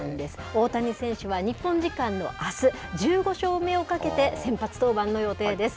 大谷選手は日本時間のあす、１５勝目をかけて、先発登板の予定です。